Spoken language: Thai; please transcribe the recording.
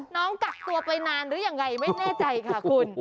น้องกักตัวไปนานหรือยังไงไม่แน่ใจค่ะคุณ